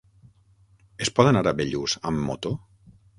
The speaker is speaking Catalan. Es pot anar a Bellús amb moto?